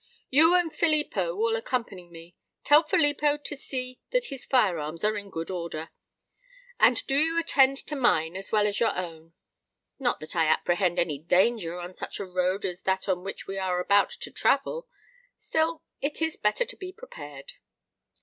"You and Filippo will accompany me. Tell Filippo to see that his fire arms are in good order; and do you attend to mine as well as your own. Not that I apprehend any danger on such a road as that on which we are about to travel; still it is better to be prepared."